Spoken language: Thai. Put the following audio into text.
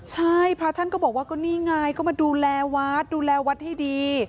ใช่พระท่านก็บอกว่าก็นี่ไงก็มาดูแลวัดดูแลวัดให้ดี